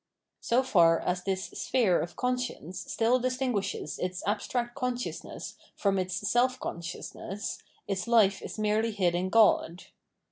So far as this sphere of conscience still distinguishes its abstract consciousness from its self consciousness, its life is merely hid in God.